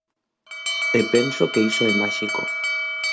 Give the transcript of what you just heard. E penso que iso é máxico.